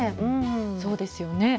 そうですよね。